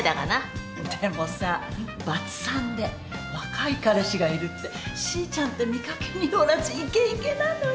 でもさバツ３で若い彼氏がいるってしーちゃんって見掛けによらずイケイケなのよ。